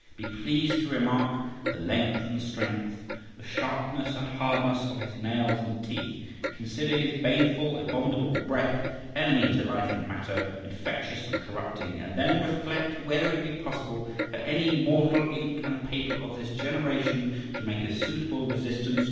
Be pleased to remark the length and strength, the sharpness and hardness, of his nails and teeth; consider his baneful, abominable breath, enemy to life and matter, infectious and corrupting, and then reflect whether it be possible for any mortal ink and paper of this generation to make a suitable resistance.